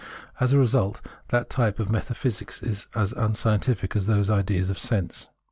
As a result that type of metaphysics is as unscientific as those ideas of sense.